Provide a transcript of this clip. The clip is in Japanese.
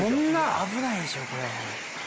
危ないでしょこれ。